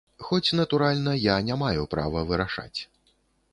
Хоць, натуральна, я не маю права вырашаць.